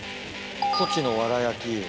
コチのワラ焼き。